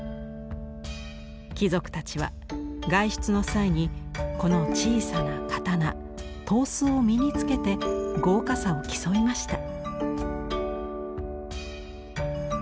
貴族たちは外出の際にこの小さな刀刀子を身に着けて豪華さを競いました。